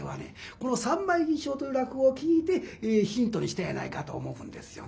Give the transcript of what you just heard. この「三枚起請」という落語を聴いてヒントにしたんやないかと思うんですよね。